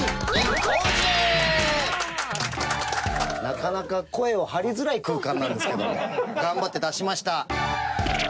なかなか声を張りづらい空間なんですけど頑張って出しました！